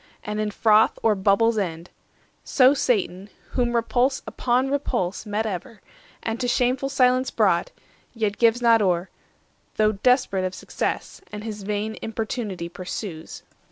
and in froth or bubbles end— 20 So Satan, whom repulse upon repulse Met ever, and to shameful silence brought, Yet gives not o'er, though desperate of success, And his vain importunity pursues.